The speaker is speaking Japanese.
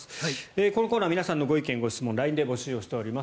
このコーナー皆さんのご意見・ご質問をＬＩＮＥで募集しております。